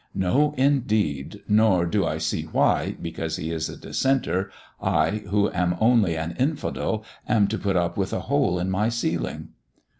"No, indeed; nor do I see why, because he is a dissenter, I, who am only an infidel, am to put up with a hole in my ceiling."